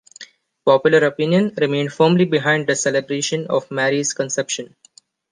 Popular opinion remained firmly behind the celebration of Mary's conception.